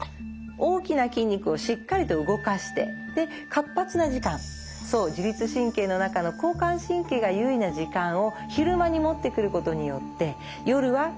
大きな筋肉をしっかりと動かしてで活発な時間そう自律神経の中の交感神経が優位な時間を昼間に持ってくることによって夜はしっかりとリラックスできる。